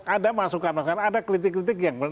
ada masukan masukan ada kritik kritik yang